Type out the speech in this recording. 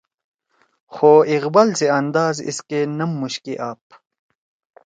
خو اقبال سی انداز ایسکے نم مُوشکے آپ